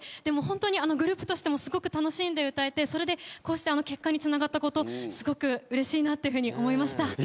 でもホントにグループとしてもすごく楽しんで歌えてそれでこうして結果につながったことすごくうれしいなっていうふうに思いました。